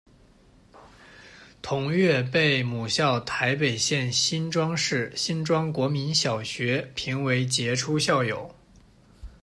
同月被母校台北县新庄市新庄国民小学评为杰出校友。